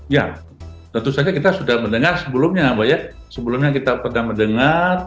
ya tentu saja kita sudah mendengar sebelumnya kita pernah mendengar